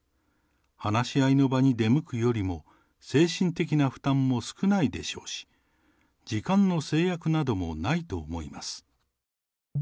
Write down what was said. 話し合いの場に出向くよりも、精神的な負担も少ないでしょうし、時間の制約などもないと思います。